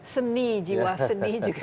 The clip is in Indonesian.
seni jiwa seni juga yang diperlukan